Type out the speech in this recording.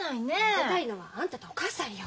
めでたいのはあんたとお母さんよ。